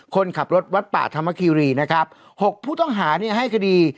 คนขับรถวัตถ์ปะธรรมคิรินะครับ๖ผู้ท่องหาให้คดี